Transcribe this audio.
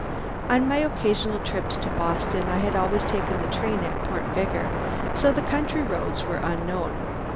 On my occasional trips to Boston I had always taken the train at Port Vigor, so the country roads were unknown.